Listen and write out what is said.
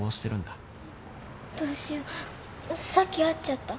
どうしようさっき会っちゃった。